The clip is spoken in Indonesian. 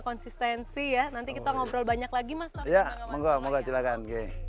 konsistensi ya nanti kita ngobrol banyak lagi mas ya mohon silakan